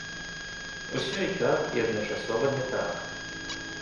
Усё і так, і адначасова не так.